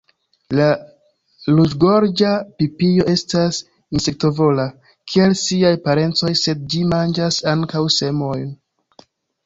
La Ruĝgorĝa pipio estas insektovora, kiel siaj parencoj, sed ĝi manĝas ankaŭ semojn.